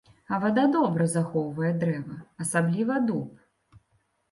А вада добра захоўвае дрэва, асабліва дуб.